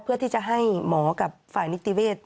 เพื่อที่จะให้หมอกับฝ่ายนิติเวศ